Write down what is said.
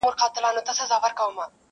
د ورځي سور وي رسوایي وي پکښې,